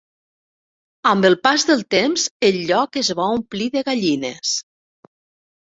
Amb el pas del temps el lloc es va omplir de gallines.